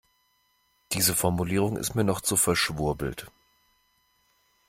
Diese Formulierung ist mir noch zu verschwurbelt.